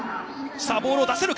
さあボールを出せるか。